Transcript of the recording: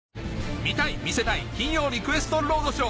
見たい見せたい金曜リクエストロードショー